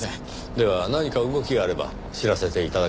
では何か動きがあれば知らせて頂けますか？